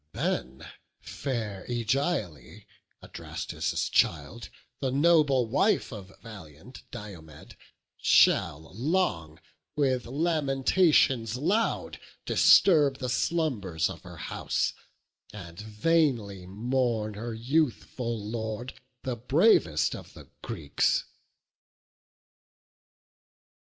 Then fair Ægiale, Adrastus' child, The noble wife of valiant Diomed, Shall long, with lamentations loud, disturb The slumbers of her house, and vainly mourn Her youthful Lord, the bravest of the Greeks."